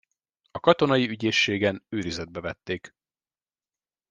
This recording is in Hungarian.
A katonai ügyészségen őrizetbe vették.